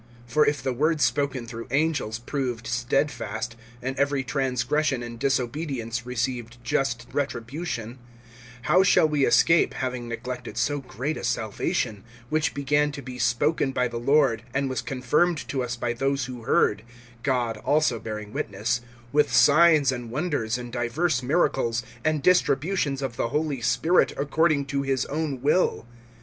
(2)For if the word spoken through angels proved steadfast, and every transgression and disobedience received just retribution, (3)how shall we escape, having neglected so great a salvation; which began to be spoken by the Lord, and was confirmed to us by those who heard, (4)God also bearing witness, with signs and wonders, and divers miracles, and distributions of the Holy Spirit, according to his own will?